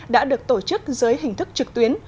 đã được tổ chức dưới hình thức trực tuyến